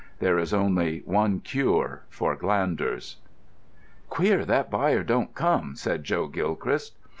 There is only one cure for glanders. "Queer that buyer don't come," said Joe Gilchrist.